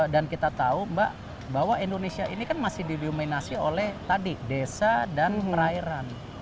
dan kita tahu mbak bahwa indonesia ini kan masih diluminasi oleh tadi desa dan perairan